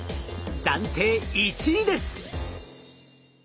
暫定１位です。